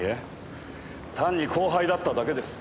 単に後輩だっただけです。